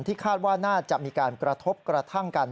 คาดว่าน่าจะมีการกระทบกระทั่งกัน